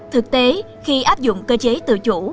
thực tế khi áp dụng cơ chế tự chủ